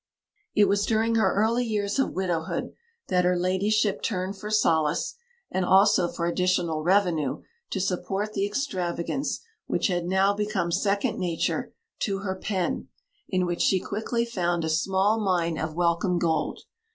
It was during her early years of widowhood that her ladyship turned for solace, and also for additional revenue to support the extravagance which had now become second nature, to her pen, in which she quickly found a small mine of welcome gold.